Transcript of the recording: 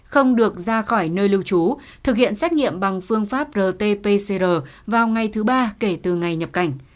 không được ra khỏi nơi lưu trú thực hiện xét nghiệm bằng phương pháp rt pcr vào ngày thứ ba kể từ ngày nhập cảnh